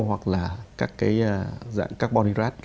hoặc là các cái dạng carbonic acid